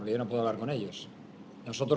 karena saya tidak bisa berbicara dengan mereka